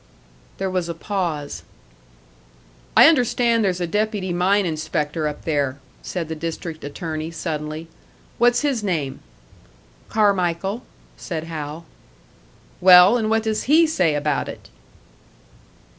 There was a pause. "I understand there's a deputy mine inspector up there," said the District Attorney, suddenly. "What's his name?" "Carmichael," said Hal. "Well, and what does he say about it?"